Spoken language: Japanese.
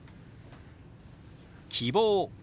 「希望」。